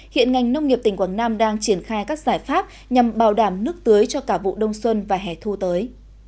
hiện ngành nông nghiệp tỉnh quảng nam đang triển khai các giải pháp nhằm bảo đảm nước tưới cho cả vụ đông xuân và hẻ thu tới